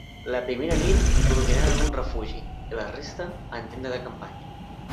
La primera nit dormiran en un refugi i la resta en tenda de campanya.